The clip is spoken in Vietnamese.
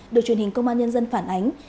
được truyền hình công an nhân dân phản ánh